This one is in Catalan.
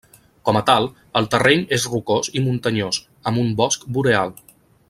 Com a tal, el terreny és rocós i muntanyós, amb un bosc boreal.